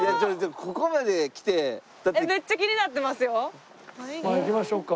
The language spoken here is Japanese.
じゃあ行きましょう。